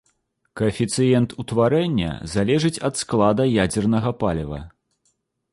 Каэфіцыент утварэння залежыць ад склада ядзернага паліва.